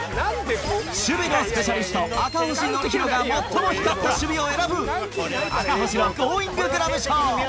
守備のスペシャリスト、赤星憲広が最も光った守備を選ぶ、赤星のゴーインググラブ賞。